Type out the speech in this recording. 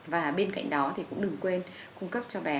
và bên cạnh đó thì cũng đừng quên cung cấp cho bé